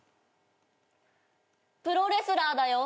プロレスラーだよ。